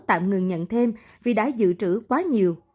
tạm ngừng nhận thêm vì đã dự trữ quá nhiều